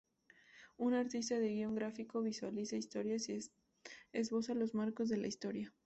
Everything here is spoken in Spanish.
Un artista de guion gráfico visualiza historias y esboza los marcos de la historia.